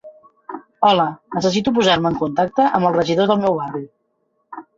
Hola, necessito posar-me en contacte amb el regidor del meu barri.